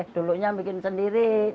dulu saya membuat sendiri